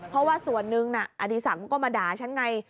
เพราะว่าส่วนหนึ่งน่ะอดีศักดิ์ก็มาด่าฉันไง